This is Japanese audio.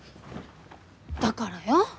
だからよ。